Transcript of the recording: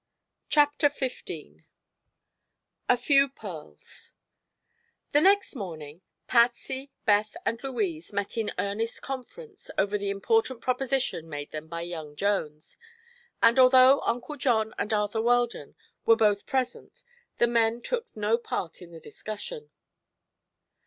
CHAPTER XV A FEW PEARLS The next morning Patsy, Beth and Louise met in earnest conference over the important proposition made them by young Jones, and although Uncle John and Arthur Weldon were both present the men took no part in the discussion.